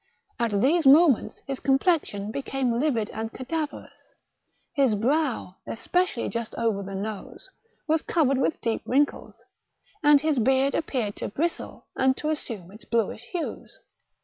At these moments his complexion became livid and cada verous; his brow, especially just over the nose, was covered with deep wrinkles, and his beard appeared to bristle, and to assume its bluish hues.